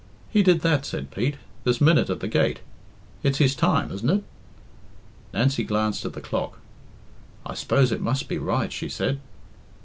"He did that," said Pete, "this minute at the gate. It's his time, isn't it?" Nancy glanced at the clock. "I suppose it must be right," she said.